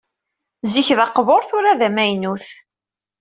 Zik d aqbuṛ tura d amaynut.